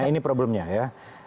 nah ini problemnya ya